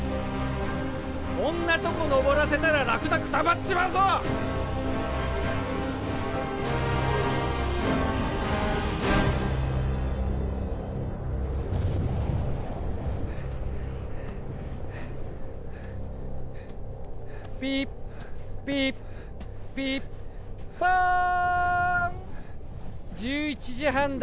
こんなとこのぼらせたらラクダくたばっちまうぞピッピッピッポーン１１時半だ